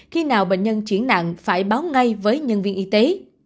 khi nào bệnh nhân chuyển nặng phải báo ngay với nhân viên y tế